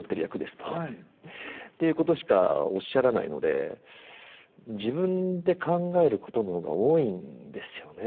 っていうことしかおっしゃらないので自分で考えることの方が多いんですよね。